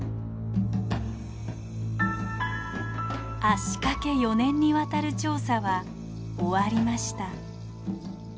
足かけ４年にわたる調査は終わりました。